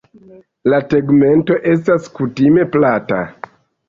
La tegmento estas kutime plata.